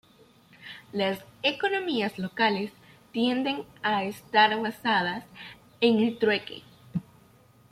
Las economías locales tienden a estar basadas en el trueque.